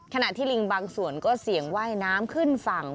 ขณะที่ลิงบางส่วนก็เสี่ยงว่ายน้ำขึ้นฝั่ง